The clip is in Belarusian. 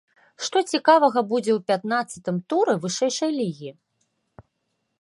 Што цікавага будзе ў пятнаццатым туры вышэйшай лігі?